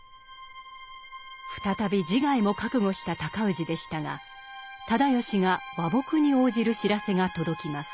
再び自害も覚悟した尊氏でしたが直義が和睦に応じる知らせが届きます。